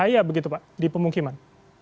bahaya begitu pak di pemukiman